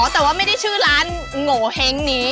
แต่ว่าไม่ได้ชื่อร้านโงเห้งนี้